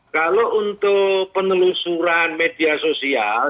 kalau untuk penelusuran media sosial